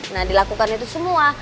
nah dilakukan itu semua